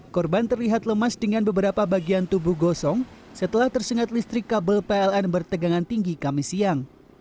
korban terlihat lemas dengan beberapa bagian tubuh gosong setelah tersengat listrik kabel pln bertegangan tinggi kami siang